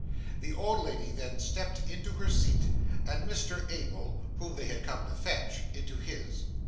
The old lady then stepped into her seat, and Mr Abel (whom they had come to fetch) into his.